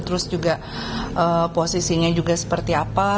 terus juga posisinya juga seperti apa